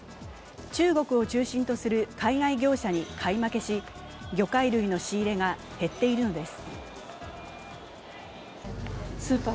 中国を中心とする海外業者に買い負けし、魚介類の仕入れが減っているのです。